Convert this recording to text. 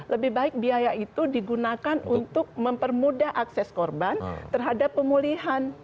lebih baik biaya itu digunakan untuk mempermudah akses korban terhadap pemulihan